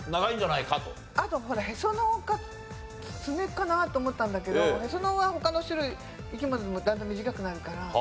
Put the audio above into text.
あとほらへその緒か爪かなと思ったんだけどへその緒は他の生き物でもだんだん短くなるから。